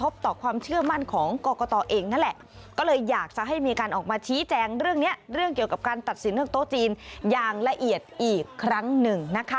พีชแจงเรื่องนี้เรื่องเกี่ยวกับการตัดสินเรื่องโต๊ะจีนอย่างละเอียดอีกครั้งหนึ่งนะคะ